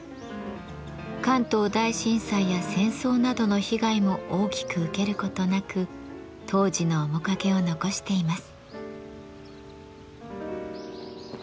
関東大震災や戦争などの被害も大きく受けることなく当時の面影を残しています。